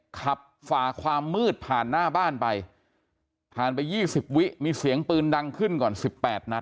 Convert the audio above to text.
ฝ่าความมืดผ่านหน้าบ้านไปผ่านไป๒๐วิมีเสียงปืนดังขึ้นก่อน๑๘นัด